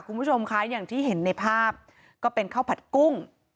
คุณผู้ชมคะอย่างที่เห็นในภาพก็เป็นข้าวผัดกุ้ง